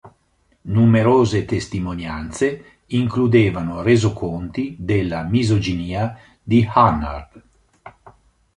Numerose testimonianze includevano resoconti della misoginia di Hannard.